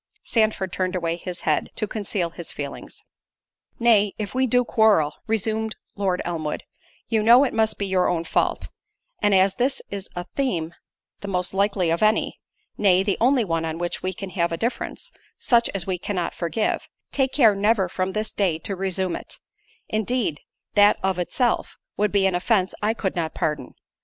Sandford turned away his head to conceal his feelings. "Nay, if we do quarrel," resumed Lord Elmwood, "You know it must be your own fault; and as this is a theme the most likely of any, nay, the only one on which we can have a difference (such as we cannot forgive) take care never from this day to resume it; indeed that of itself, would be an offence I could not pardon.